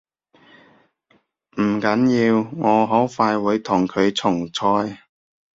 唔緊要，我好快會同佢重賽